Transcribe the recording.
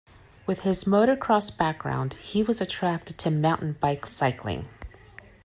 With his motocross background he was attracted to mountain bike cycling.